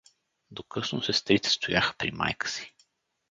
До късно сестрите стояха при майка си.